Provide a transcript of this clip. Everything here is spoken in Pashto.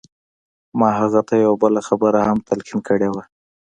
ما هغه ته يوه بله خبره هم تلقين کړې وه.